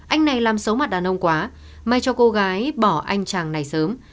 anh này làm xấu mặt đàn ông quá may cho cô gái bỏ anh chàng này sớm